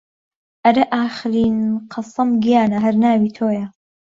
ئەرێ ئاخەرین قەسەم گیانە هەر ناوی تۆیە